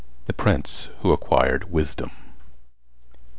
The Prince Who Acquired Wisdom.